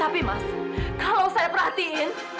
tapi mas kalau saya perhatiin